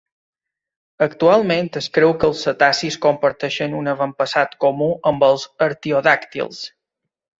Actualment es creu que els cetacis comparteixen un avantpassat comú amb els artiodàctils.